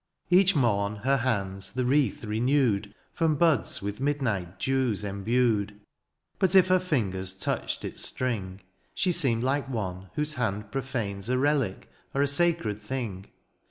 Each mom her hands the wreath renewed From buds with midnight dews embued ; But if her fingers touched its strings She seemed like one whose hand profanes A relic or a sacred thing.